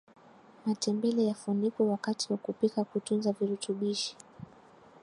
matembele yafunikwe wakati wa kupika kutunza virutubishi